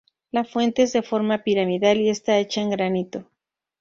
La fuente es de forma piramidal y está hecha en granito.